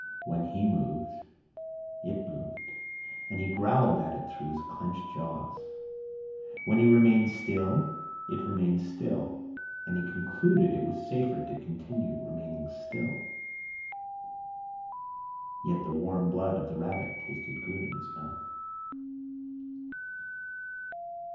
When he moved it moved, and he growled at it through his clenched jaws; when he remained still, it remained still, and he concluded it was safer to continue remaining still. Yet the warm blood of the rabbit tasted good in his mouth.